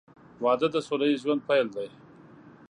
• واده د سوله ییز ژوند پیل دی.